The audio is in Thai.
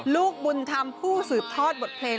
ลูกบุญธรรมผู้สืบทอดบทเพลง